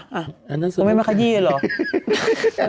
อันนั้นสุดท้ายคุณแม่ไม่ขยี้หรือ